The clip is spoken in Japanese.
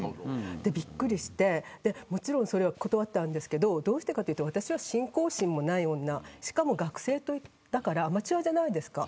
びっくりして、もちろんそれは断ったんですけどどうしてかというと私は信仰心もない女しかも学生だからアマチュアじゃないですか。